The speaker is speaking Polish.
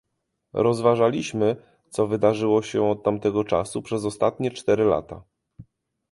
Rozważaliśmy, co wydarzyło się od tamtego czasu, przez ostatnie cztery lata